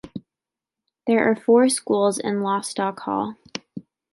There are four schools in Lostock Hall.